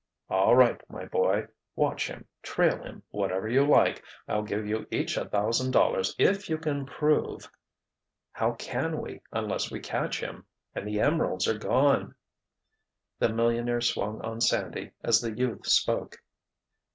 "All right, my boy. Watch him, trail him, whatever you like. I'll give you each a thousand dollars if you can prove——" "How can we, unless we catch him—and the emeralds are gone——" The millionaire swung on Sandy as the youth spoke.